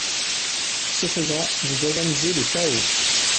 Ce faisant, vous organisez le chaos